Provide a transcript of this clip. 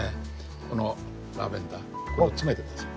このラベンダーを詰めて下さい。